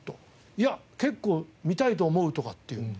「いや結構見たいと思う」とかって。